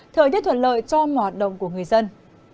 thời tiết thuận lợi cho mọi hoạt động của người dân